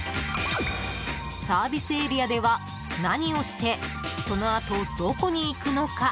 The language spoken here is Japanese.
サービスエリアでは何をしてそのあと、どこに行くのか？